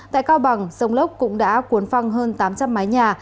tại cao bằng sông lốc cũng đã cuốn phăng hơn tám trăm linh mái nhà